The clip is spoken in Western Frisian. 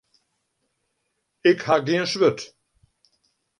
Ik ha gjin swurd.